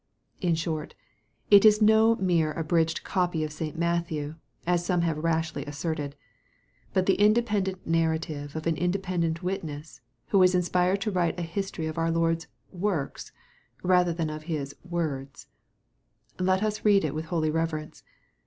In short, it is no mere abridged copy of St. Matthew, as some have rashly asserted, but the independent narrative of an independent witness, who was inspired to write a history of our Lord's works, rather than of His words Let us read it with holy reverence.